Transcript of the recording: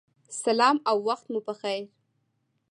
سلام او وخت مو پخیر